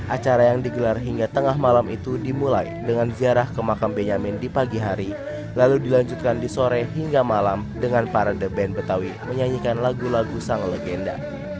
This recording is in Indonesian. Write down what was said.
acara yang digelar hingga tengah malam itu dimulai dengan ziarah ke makam benyamin di pagi hari lalu dilanjutkan di sore hingga malam dengan para the band betawi menyanyikan lagu lagu sang legenda